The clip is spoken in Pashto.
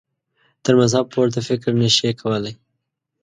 تر مذهب پورته فکر نه شي کولای.